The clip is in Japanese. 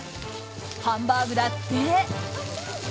ハンバーグだって。